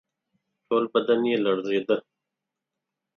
ټول بدن یې لړزېده.